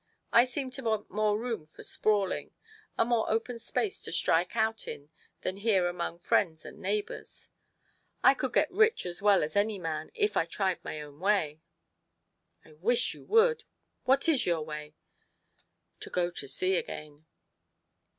I seem to want more room for sprawling ; a more open space to strike out in than here among friends and neighbours. I could get rich as well as any man, if I tried my own way." " I wish you would ! What is your way ?" TO PLEASE HIS WIFE. 123 " To go to sea again."